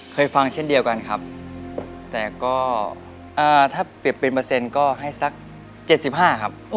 เคยฟังเช่นเดียวกันครับแต่ก็ถ้าเปรียบเป็นเปอร์เซ็นต์ก็ให้สัก๗๕ครับ